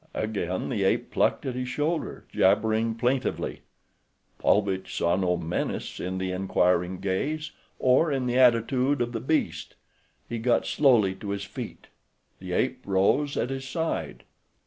Again the ape plucked at his shoulder, jabbering plaintively. Paulvitch saw no menace in the inquiring gaze, or in the attitude of the beast. He got slowly to his feet. The ape rose at his side.